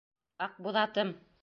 Аҡбуҙатым!